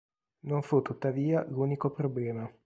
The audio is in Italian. Non fu tuttavia l'unico problema.